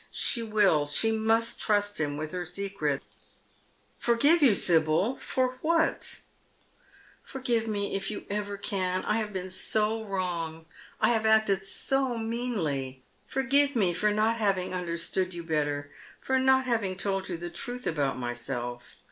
She will, she must trust him with her secret. " Forgive you, Sibyl, for what ?"" Forgive me, if you ever can. I have been so wrong. I have acted so meanly. Forgive me for not having understood you better, for not having told you the truth about myself.